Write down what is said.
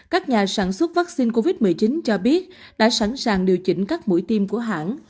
các nhà sản xuất vaccine covid một mươi chín cho biết đã sẵn sàng điều chỉnh các mũi tiêm của hãng